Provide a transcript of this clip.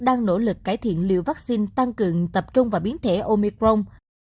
đang nỗ lực cải thiện liều vaccine tăng cường tập trung vào biến thể omicron